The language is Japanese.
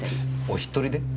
お１人で？